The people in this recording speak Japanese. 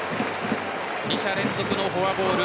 ２者連続のフォアボール。